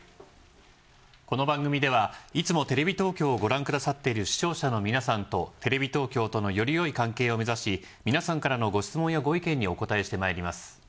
この番組ではいつもテレビ東京をご覧くださっている視聴者の皆さんとテレビ東京とのよりよい関係を目指し皆さんからのご質問やご意見にお答えしてまいります。